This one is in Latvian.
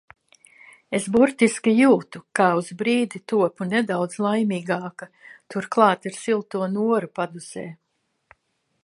Es burtiski jūtu, kā uz brīdi topu nedaudz laimīgāka, turklāt ar silto Noru padusē.